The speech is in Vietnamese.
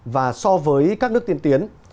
và so với các nước tiên tiến